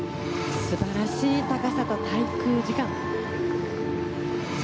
素晴らしい高さと滞空時間。